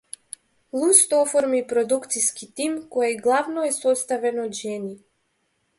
Луст оформи продукциски тим кој главно е составен од жени.